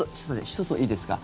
１つ、いいですか？